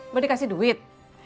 beri kasih duit